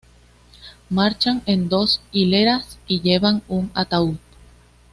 Marchan en dos hileras y llevan un ataúd.